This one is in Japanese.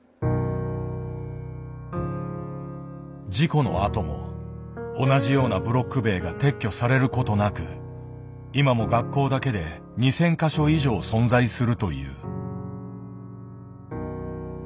事故のあとも同じようなブロック塀が撤去されることなく今も学校だけで２，０００か所以上存在するという。